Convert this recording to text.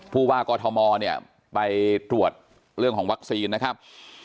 ผู้ว่ากอทมเนี่ยไปตรวจเรื่องของวัคซีนนะครับ